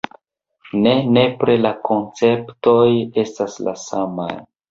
Ne nepre la konceptoj estas la samaj.